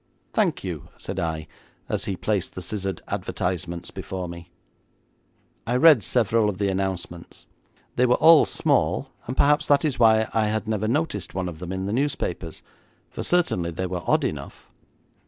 'Thank you,' said I, as he placed the scissored advertisements before me. I read several of the announcements. They were all small, and perhaps that is why I had never noticed one of them in the newspapers, for certainly they were odd enough.